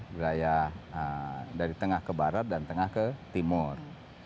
wilayah dari tengah ke barat dan tengah ke timur